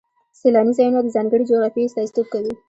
سیلاني ځایونه د ځانګړې جغرافیې استازیتوب کوي.